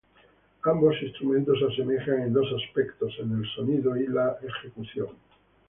Ambos instrumentos se asemejan en dos aspectos: en el sonido y la ejecución.